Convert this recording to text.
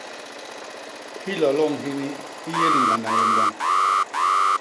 Hiloloñ hini hi yé ni ñgandak liñgwañ.